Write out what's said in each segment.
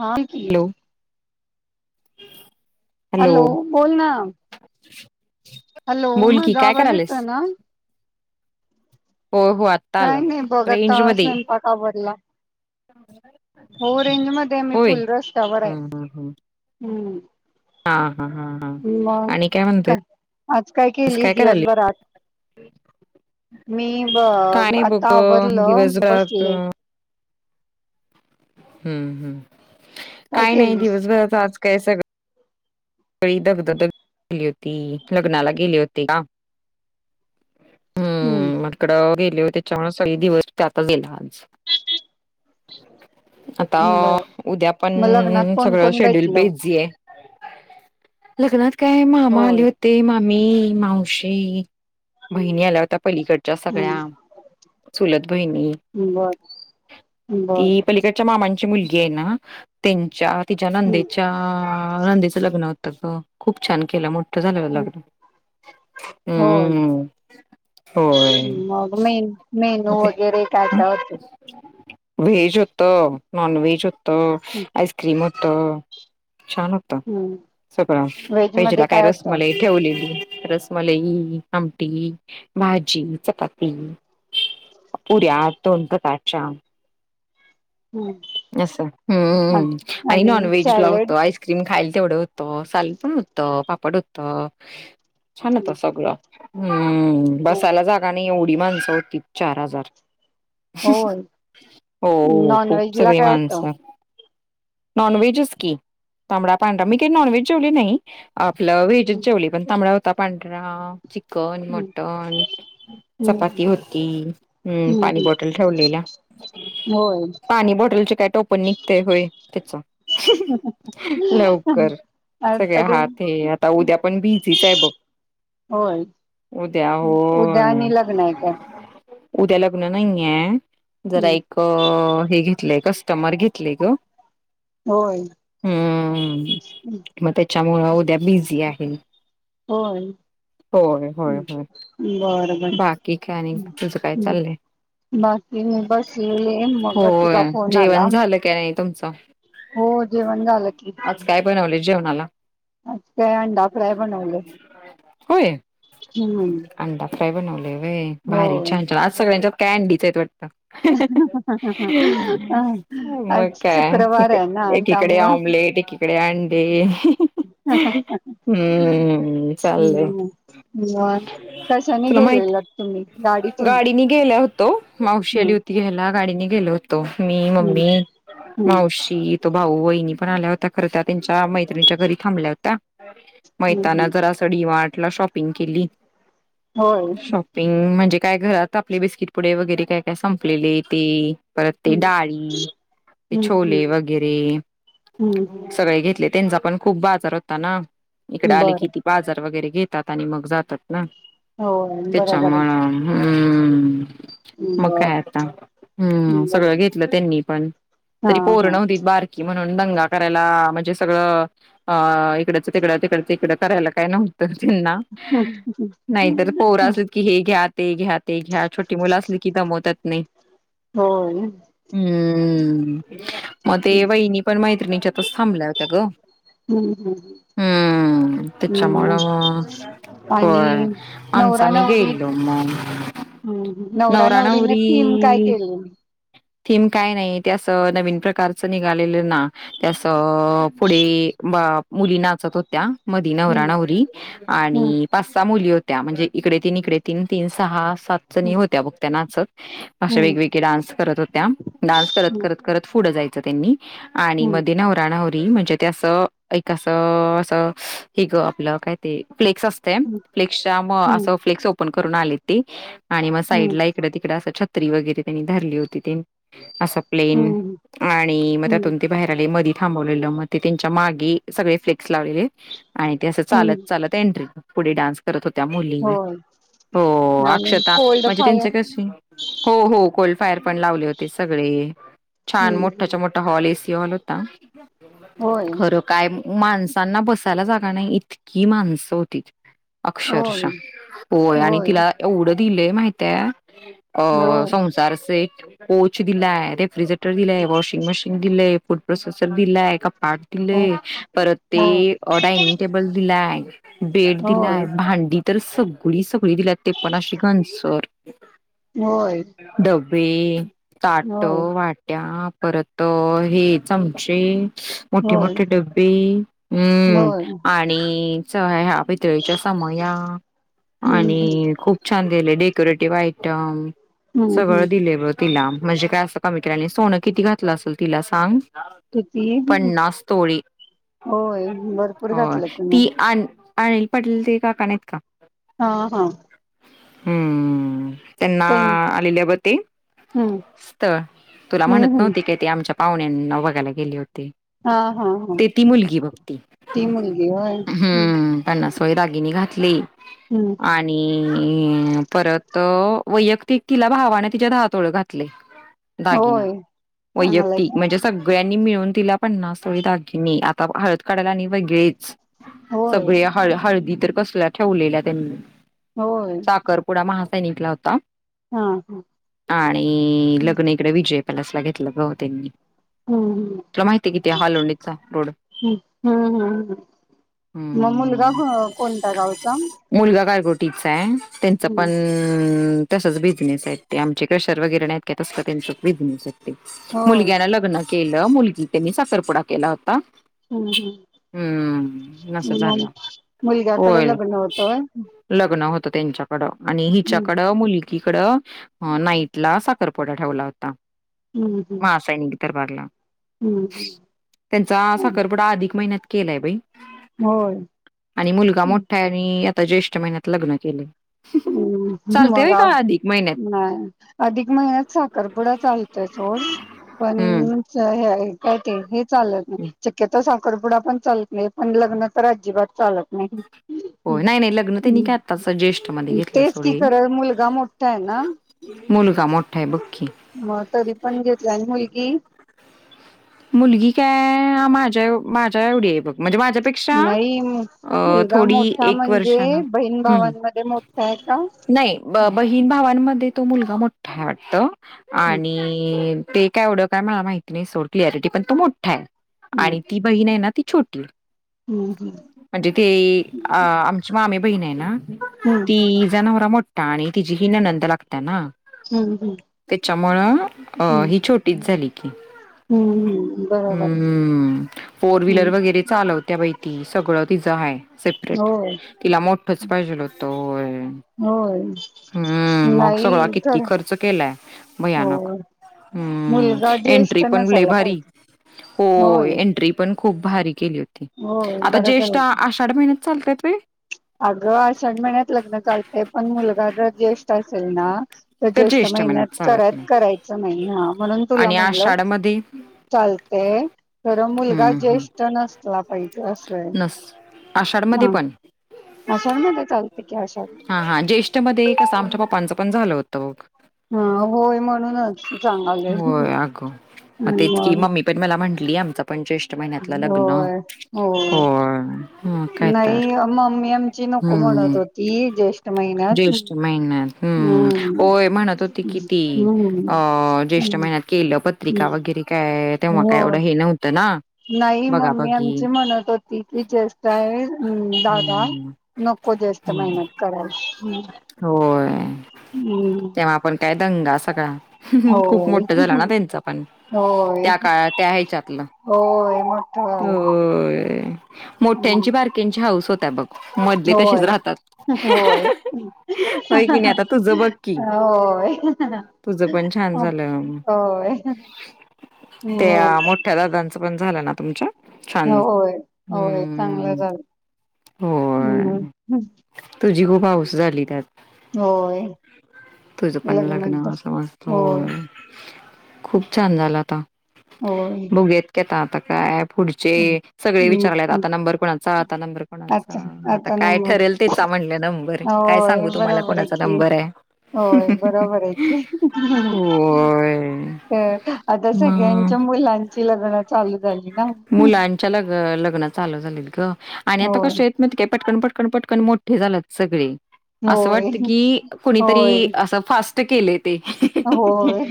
हा की hello hello बोल ना हॅलो बोल की मग काय आज करायलेस येतो ना हो हो आला काही नाही बघ, बघत रेंज मध्ये ये. स्वयंपाक आवरलात हो रेंज मधे मी होय फुल रस्त्यावर आहे हम्म हम्म हम्म हम हा हा हां हां आणि काय म्हणत आज काय केलीस दिवसभरात मी काय नाही बघ आता अ, आवरलं दिवसभरात बसले हम्म हम् काय काही नाही केलीस दिवसभराच आज काय सगळं लई दगधगली होती लग्नाला गेले होते का हम् हं इकड गेले होते त्याच्यामुळे सगळे दिवस त्याताच गेला आज आता बर उद्या मग लग्नात पण कोण सगळं कोण शेड्यूल भेटलं बेजी आहे लग्नात काय मामा मामी आले होय होते मामी मावशी बहिणी आल्या होत्या पलीकडच्या सगळ्या हम्म सुलत बहिणी बर बर ती पलीकडच्या मामांची मुलगी आहे ना त्यांच्या तिच्या हम्म नंदेच्या नंदेच लग्न होत खूप छान केलं मोठं झालं लग्न होय हम्म होय मग मे मग मेनू ते वगैरे काय काय होते व्हेज होत नॉन व्हेज होतं आईस्क्रीम होत तर छान होत हम्म सगळं व्हेज पहिजेला मध्ये काय होतं रसमलाई ठेवलेली रसमलाई आमटी भाजी चपाती पुऱ्या दोन प्रकारच्या हम्म अस् आणि आणि नॉनव्हेज ला सॅलेड होतो आइस्क्रीम आईस्क्रीम खायला तेवढं होत सालड पण होत पापड होतं छान होत सगळं हम्म बसायला जागा नाही एवढी माणसं होती चार हजार होय हो, नॉन खूप व्हेज ला सगळी काय असतं माणसं. नॉनव्हेजच कि तांबडा पांढरा मी काही नॉनव्हेज जेवले नाही आपलं व्हेज जेवळी पण तांबड होता पांढरा चिकन हम्म मटन हम्म चपाती होती हम् पाणी हम्म बॉटल ठेवलेल्या होय पाणी बॉटल चे काय टोपन निघते होय त्याच [inaudible] सगळ हा ते आता उद्या पण बिझीच आहे बघ होय उद्या हो उद्या आणि लग्न आहे काय उद्या लग्न नाहीे जरा हम्म एक हे घेतलंय कस्टमर घेत कली ग होय हम् मग त्याच्यामुळं उद्या बिझी आहे होय. होय होय होय बर बर बाकी काय आणि तुझ काय चाललंय. बाकी मी बसले. होय जेवण झालं काय नाही तुमचं हो जेवण झालं की. आज काय बनवलं जेवणाला आज काय अंडा होय हम्मम अंडा फ्राय बनवले वे भारी छान छान आज सगळ्यांच्या कॅनडीच य वाटत. मग आज शुक्रवार काय आहे ना एकीकडे त्यामुळं ऑमलेट एक इकडे अंडी हम्म चाललले. हम्म मग कशाने तुला माहित गेलेलात तुम्ही गाडीतून गाडीने गेला होतो मावशी हम्म आली होती. त घ्यायला गाडीने गेलो होतो मी हम्म मम्मी हम्म मावशी तो भाऊ वहिणी पण आल्या होता खर त्या त्यांच्या मैत्रिणीच्या घरी थांबल्या होत मग हम्म येताना हम्म. जरा डी मार्ट ला शॉपिंग केली. होय. पिंग म्हणजे काय घरात आपले बिस्किट पुढ वगैरे काय काय संपलेले ते परत ते डाळी ते हम्म हम्म छोले वगैरे हम्म हम्म. सगळे घेतले. त्यांचा पण खूप बाजार होता ना इकडे आले बरं किती बाजार वगैरे घेतात आणि मग जातात ना होय ते बरोबर आहे चमाळा हम्म मग बर काय आता हम्म बर सगळं घेतलं त्यांनी पण हा तरी पोर हा नव्हती बार कि म्हणून दंगा करायला म्हणजे सगळं अ इकडच तिकड तिकडच इकडं करायला काय नव्हतं त्यांना नाहीतर पोरा असलीत की हे घ्या ते घ्या ते घ्या छोटी मुलं असली की दमवतात नाही. होय हम्म हम्म मत वईन पण मैत्रिणीच्या इथेच थांबलं होतं ग. हम्म हम् हम्म हम्म हो आणि आमच आम्ही गेलेलो. हम् नवरा नवरीने थीम काय केलं. थीम काय नाही ते असं नवीन प्रकारचं निघालेलं ना, त्यास पुढे मुली नाचत हो त्या मध नवरा हम्म नवरी आणि हम्म पाच सहा मुली होत्या म्हणजे इकडे तीन इकडे तीन तीन सहा सात जणी होत्या बघत नाचत. अशा हम्म वेगवेगळ्या डान्स करत होत्या डान्स करत करत करत पुढं जायचं त्यांनी आणि हम्म मध्ये नवरा नवरी म्हण आप [inaudible] हम्म फ्क्सच्या अस हम्म फ्लेक्स ओपन करून आली ती आणि मग साईड हम्म ला एक इकडे तिकड असं छत्री वगैरे त्यांनी धरली होती ते असं हम्म प्लेन हम्म आणि मग हम्म त्यातुन बाहेर आले मध्ये थांबवले मग ते त्यांच्या मागे सगळे फ्लेक्स लावलेले. आणि ते असं चालत हम्म चालत एंट्री पुढे डान्स करत होत्या मुली होय हो आणि अक्षता कोल्ड म्हणजे त्यांच फायर कस हो हो कोल्ड फायर पण लावले होते सगळे छान हम्म हम्म. मोठ्या मोठ्या हॉल एसी हॉल होता होय खर काय माणसांना बसायला जागा नाही इतकी माणसं होती. होय अक्षरशः होय आणि तिला एवढं दिलंय माहीत आहे अ होय संसार सेट कोच दिलाय, रेफ्रिजरेटर दिलाय, वॉशिंग मशीन दिलय, फूड प्रोसेसर दिलाय कपाट दिले हो परत ते डायनिंग टेबल दिलाय, बेड दिलाय, होय भांडी, तर सगळी सगळी दिलीत ते पणा श्रीगन सर होय. डब्बे चाट होय वाट्या परत हेच आमचे मोठे होय मोठे डब्बे हम्म होय आणि सहा ह्या पितळी समया हम्म आणि हम्म खूप छान दिले डेकोरेटिव्ह आयटम हम्म हम्म सगळं दिले ब तिला म्हणजे काय असं कमी केलं नाही सोनं किती घातलं असेल तिला सांग किती पन्नास तोळी होय भरपूर हो घातलं कि ती मग आण आणल पटल ते का कानात का हा हा हम्म त्यांना ते आलेल्या ब ते हम्म तर तुला म्हणत हम्म हम्म नव्हती काय ते आमच्या पाहुण्यांना वघायला गेले होते हा हा हा ते ती मुलगी बघती ती मुलगी होय हम्म पन्ना दगि घातली हम्म आणि आणि परत वैयक्तिक तिला भावाने तिच्यात हातोळ घातले दागिना होय चांगलाय वैयक्तिक की म्हणजे सगळ्यांनी मिळून तिला पन्नास सोळी दागिनी आता हळद काढायला नाही वेगळेच होय सगळ्या हळ हळदी तर कसल्या ठेवलेल्या त्यांनी होय अपुडा मनिकला होता हा हा आणि ल हम्म इिकडे विजयपाला असला घेतलं ग त्यांनी हम्म तुला माहिती किती हालोंडीचा रोड हम्म हम्म मग मुलगा हम्म कोणता गावचा मुलगा कायकोटीचा आहे त्यांच हम्म पण तसच बिझनेस आहेत ते आमचे कशर वगैरे तस त्यां बिझनेस य हो हम्म मुलना लग्ना केलं मुलगी त्यांनी साखरपुडा केला होता हम्म हम्म नसं मग झालं मुलग्याकडे होय ल बणवतोय लग्न होत त्यांच्याकडं आणि हिच्याकड मुली इकड नाईट ला साखरपोडा ठेवला होता ह ह सैन तरर पाला हम् त्यांचा साखरपुडा अधिक महिन्यात केलाय बाई होय आणि मुलगा हम्म मोठ्या आणि आता ज्येष्ठ महिन्यात लग्न केलं हम्म मगा महिन्यात? नाही अधिक महिन्यात साखरपुडा चालतोय सोड हं. पण- काय ते हे चालत हं. नाही शक्यतो साखरपुडा पण चालत- हे पण लग्न तर अजिबात चालत नाही होय नाही -नाही लग्न तनी काय आताच जेष्ठ म्ह- तेच की खर मुलगा मोठा आहे ना- मुलगा मोठ्ठा आहे बग की - म तरी पण घेतला आणि मुलगी [inaudible] मुलगी काय माझ्या माझ्या एवढी आहे बघ- म्हणजे माझ्यापेक्षा नाही अ, मुलगा थोडी मोठा एक म्हणजे वर्षानं बहीण हं. भावांमध्ये मोठा- काय का [inaudible] नाही बहीण भावांमध्ये तो मुलगा मोठा आहे वाटत हम्म आणि ते- एवढं काय मला माहिती नाही सोड क्लिरिटी पण तो मोठा आहे आणि ती बहीण आहे ना ती छोटी आहे हम् हम् म्हणजे ते अ आमची मामी बहीण आहे ना हम्म तीजा नवरा मोठा- आणि तिचीी हि ननंद लागता ना हम्म हम्म त्याच्यामळ अ ही छोट कटीच झाली की हम्मम् बरोबर. हम्म फोर व्हीलर हम्म वगैरे चालवत्या बाहि त सगळं तिचं आहे सेपरेट होय तिला मोठंच पाहिजेल होतं. होय हम्म मग नाही सगळा किती तर खर्च केलाय. भयानक होय हम्म मुलगा एट्री ज्येष्ठ पण लय नसायला भारी पाहिजे हो. होय मी पण खूप भारी केली होती होय आता बरं जेष्ठ झालं की आाशाड महिन्यात चालतय होय. अगं आषाढ महिन्यात लग्न चालते पण मुलगा जर ज्येष्ठ असेल ना. तर ज्येष्ठ महिन्यात करत करायचं नाही ना म्हणून तुला आणि म्हणलं. आषाढमध्ये चालतेय खर मुलगा हम्म हम्म. ज्येष्ठ नसला पाहिजे असंय. नस आषाढमध्ये हा पण आषाढ मध्ये चालते की आषाढ हा हा ज्येष्ठ मध्ये कस आमच्या पपांच पण झालं होत. [inaudible] हा होय म्हणूनच सांगालोय होय आग म तेच की मग ममी [inaudible] पण मला म्हंटलीय आमच पण ज्येष्ठ महिन्यातलं लग्न होय. हम् काय तर नाही मम्मी आमची नको हम्मम्. म्हणत होती ज्येष्ठ महिन्यात ज्येष्ठ महिन्यात हम्म ओय म्हणत होती किती कि हम्म अ ज्येष्ठ महिन्यात केलं पत्रिका वगैरे काय तेव्हा काय हो एवढं हे. ये नव्हत नन नाही मम्मी आमची म्हणत होती की ज्येष्ठ आहे दादा हम्म नको जास्त हम्म मेहनत कराल हम्. होय [inaudible] हम्म [inaudible] आपण काय दंगा सगळा खूप होय मोठा झाला ना त्यांचा पण होय त्या काळात त्या ह्यायच्यातलं होय मोठ झालं होय. हम्म मोठ्यांची बारक्यांची हाऊस होता बघ. मधले तसेच होय. राहतात होय होय की नाही आता तुझं बघ की होय. तुझं पण छान झालं हो [inaudible] त्या मोठ्या दादांचं पण झालं ना तुमच्या छान होय होय चांगलं हम् झालं हम्म होय. तुझी खूप हौऊस झाली त्यात होय तुझं पण लग्न लग्नानंतर अस मस्त हो होय खूप छान झाला आता हो. ुगेत घता त ॲप पुढचे सगळे विचारलेत हम्म आता नंबर कोणाचा आता नंबर कोणाचा आता आता काय? नंबर ठरेल तेचा म्हणलं नंबर काय होय सांगू तुम्हाला बरोबर आहे कोणाचा की नंबर आहे. होय बरोबर आहे की होय तर आता मग सगळ्यांच्या मुलांची लग्न चालू झाली ना. मुलांच्या लग लग्न चालू झालेत ग आणि आता होय कस आहेत. म केपट कनपट कनपट कण मोठे झालात. सगळे असं होय वाटत की होय कोुणीतरी असं फास्ट केलं ते होय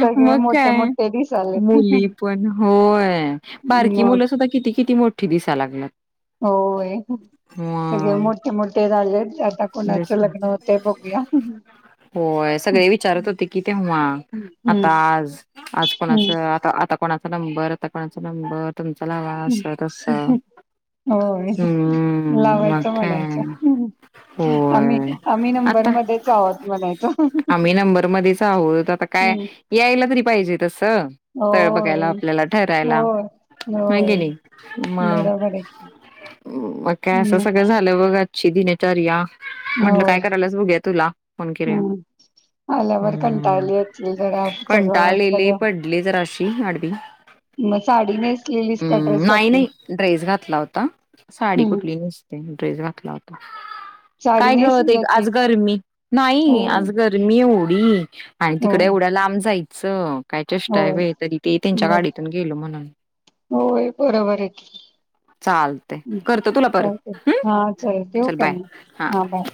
सगळे मग मोठे काय मोठे दिसालेत मुली पण होय. बारकी मग मुलं सुद्धा किती किती मोठी दिसा लागणार होय. सगळे मोठे मोठे झाले आता तेच कुणाचं ना. लग्न होते बघूया. होय सगळे विचारत होते कि तेव्हा आता हम्म आज आज कोणाच? आता कोणाचा नंबर आता कोणाचा नंबर तुमचा लावा अस तस होय लावायचं काय. म्हणायचं. आम्ही होय आम्ही नंबर आता मध्येच आहोत म्हणायच आम्ही नंबरमध्येच आहोत आता काय यायला तरी पाहिजे तस स्थळ होय बघायला आपल्याला ठरायला होय नाहीे होय गेली म बरोबर आहे की मग काय असं हम्म सगळं झाल्याव बघ. दिनचर्या म्हटलं काय करायल्यास बघूया तुला फोन केला. हां [inaudible] आल्यावरर कंटाळली असील जरा सगळ कंटाळलेले बघं. पडले जराशी आडवी मग साडीनेच हम्म नाही नाही ड्रेस घातला होता साडी हम्म. कुठली नाही. ड्रेस घातला होता साडी काय कळत नेसून जाशील आज गर्मी हो नाही आज गर तर मी एवढी आणि हो तिकड एवढं लांब जायचं. काय चष्टा आहे होय व तरी ते त्यांच्या बर गाडीतून गेलो म्हणून होय बरोबर आहे. चालतय करतो तुला चते परत हम्म हा चल तेव केम हा बाय